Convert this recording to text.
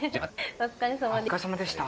お疲れさまでした。